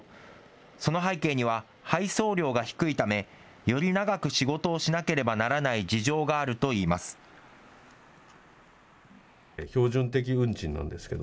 その背景には配送料が低いため、より長く仕事をしなければならない事情があるといいます。